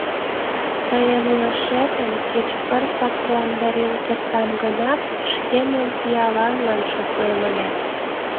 Тыйын илышетым кеч пыртак куандарен кертам гынат, шкемым пиаланлан шотлем ыле.